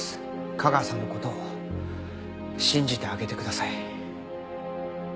架川さんの事を信じてあげてください。